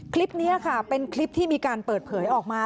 คลิปนี้ค่ะเป็นคลิปที่มีการเปิดเผยออกมา